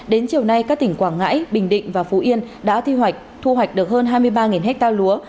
đến chiều nay các tỉnh quảng ngãi bình định và phú yên đã thi hoạch thu hoạch được hơn hai mươi ba ha lúa